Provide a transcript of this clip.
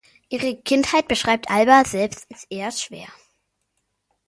Ihre Kindheit beschreibt Alba selbst als eher schwer.